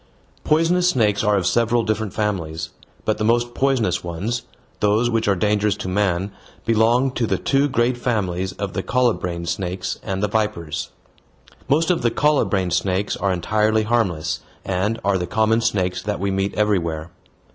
Poisonous snakes are of several different families, but the most poisonous ones, those which are dangerous to man, belong to the two great families of the colubrine snakes and the vipers. Most of the colubrine snakes are entirely harmless, and are the common snakes that we meet everywhere.